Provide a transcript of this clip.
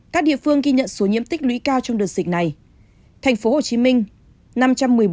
các địa phương ghi nhận số nhiễm tích lũy cao trong đợt dịch này